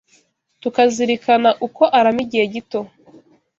tukazirikana uko arama igihe gito